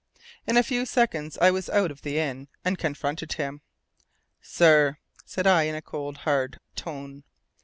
In a few seconds I was out of the inn, and confronted him. "Sir," said I in a cold hard tone.